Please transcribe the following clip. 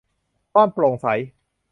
ความโปร่งใส